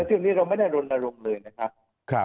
ซึ่งนี้เราไม่ได้รณรงค์เลยนะครับ